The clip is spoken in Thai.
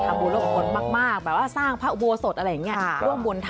ทำบุญร่วมกับคนมากแบบว่าสร้างพระอุโบโสตอะไรเงี้ย